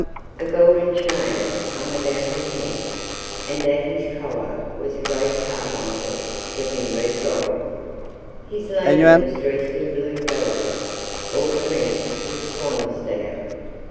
A golden chain hung about his neck, and at his collar was a great carbuncle set in red gold. His lady was dressed in blue velvet, all trimmed with swan's down.